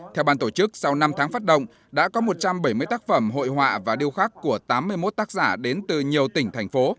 theo bàn tổ chức sau năm tháng phát động đã có một trăm bảy mươi tác phẩm hội họa và điều khác của tám mươi một tác giả đến từ nhiều tỉnh thành phố